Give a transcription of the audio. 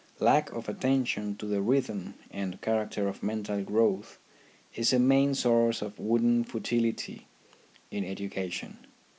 Lack of attention to the rhythm and character of mental growth is a main source of wooden futility in education.